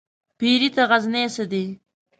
پيري ته غزنى څه دى ؟